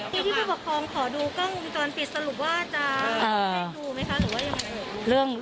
ที่ผู้ปกครองขอดูกล้องวงจรปิดสรุปว่าจะให้ดูไหมคะหรือว่ายังไง